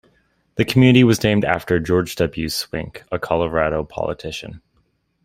The community was named after George W. Swink, a Colorado politician.